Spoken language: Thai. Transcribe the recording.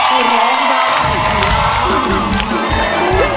ร้องได้ไอ้ล้าง